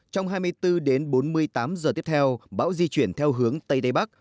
trong hai mươi bốn đến bốn mươi tám giờ tiếp theo bão di chuyển theo hướng tây tây bắc